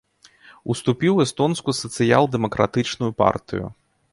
Уступіў у эстонскую сацыял-дэмакратычную партыю.